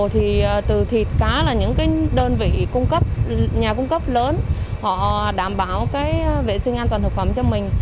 thì từ thịt cá là những đơn vị nhà cung cấp lớn họ đảm bảo vệ sinh an toàn thực phẩm cho mình